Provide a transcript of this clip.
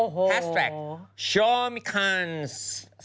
แฮชแท็กโชว์มิคาร์นส์๒๐๑๘